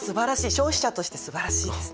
消費者としてすばらしいです。